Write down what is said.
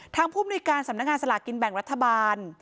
ผู้มนุยการสำนักงานสลากินแบ่งรัฐบาล